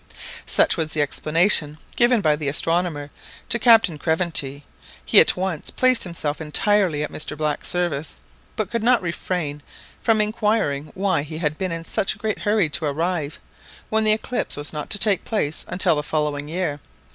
Such was the explanation given by the astronomer to Captain Craventy. He at once placed himself entirely at Mr Black's service, but could not refrain from inquiring why he had been in such a great hurry to arrive, when the eclipse was not to take place until the following year, 1860?